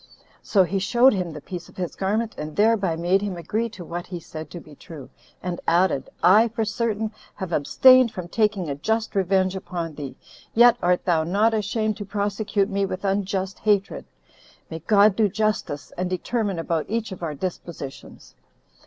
So he showed him the piece of his garment, and thereby made him agree to what he said to be true; and added, "I, for certain, have abstained from taking a just revenge upon thee, yet art thou not ashamed to prosecute me with unjust hatred. 23 May God do justice, and determine about each of our dispositions."